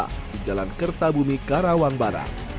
di jalan kerta bumi karawang barat